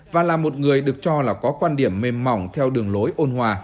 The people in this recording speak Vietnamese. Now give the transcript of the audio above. và là một người được cho là có quan điểm mềm mỏng theo đường lối ôn hòa